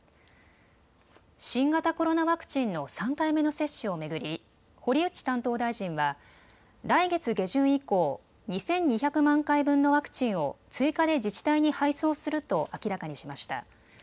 新型コロナワクチンの３回目の接種を巡り堀内担当大臣は来月下旬以降、２２００万回分のワクチンを追加で自治体に配送すると明らかにしました。